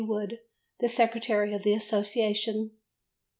Wood, the Secretary of the Association.